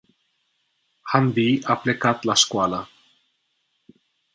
Hanvi a plecat la scoala.